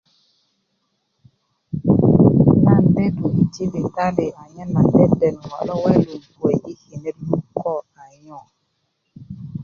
nan de tu yi jibitali anyen nan deden ŋo' lo welun kuwe yi kinet lu ko a nyo